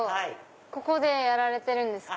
ここでやられてるんですか？